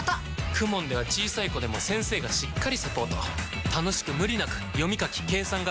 ＫＵＭＯＮ では小さい子でも先生がしっかりサポート楽しく無理なく読み書き計算が身につきます！